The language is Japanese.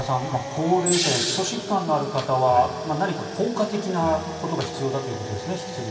高齢者や基礎疾患のある方は引き続き何か効果的なことが必要だということですね。